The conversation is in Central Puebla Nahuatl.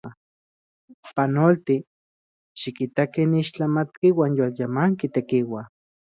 ¡Pinotl! ¡Xikita ken ixtlamatki uan yolmelajki tekiua!